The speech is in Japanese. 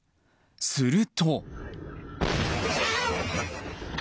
すると。